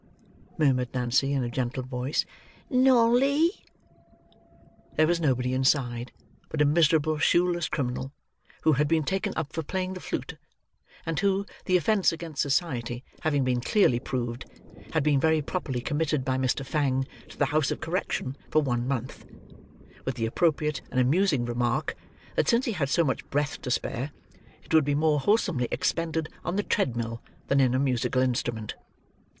murmured Nancy in a gentle voice; "Nolly?" There was nobody inside but a miserable shoeless criminal, who had been taken up for playing the flute, and who, the offence against society having been clearly proved, had been very properly committed by Mr. Fang to the House of Correction for one month; with the appropriate and amusing remark that since he had so much breath to spare, it would be more wholesomely expended on the treadmill than in a musical instrument.